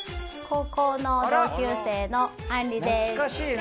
高校の同級生の杏吏です。